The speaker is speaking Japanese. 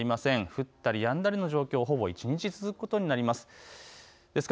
降ったりやんだりの状況、ほぼ一日続くことになりそうです。